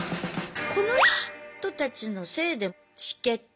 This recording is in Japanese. この人たちのせいでチケット今仕組み